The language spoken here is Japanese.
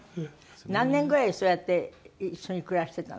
何年ぐらいそうやって一緒に暮らしてたの？